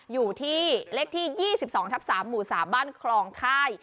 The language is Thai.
อยู่ที่เลขที่๒๒ทับ๓หมู่๓บ้านคลองค่าย